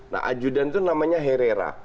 nah ajudan itu namanya herrera